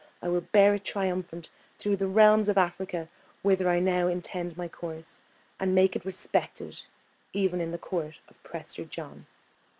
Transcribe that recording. I will bear it triumphant through the realms of Africa, whither I now intend my course, and make it respected, even in the court of Prester John."